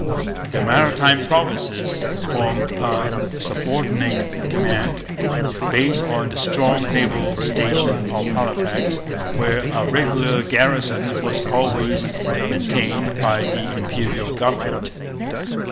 The Maritime Provinces formed a subordinate command, based on the strong naval station of Halifax, where a regular garrison was always maintained by the Imperial government.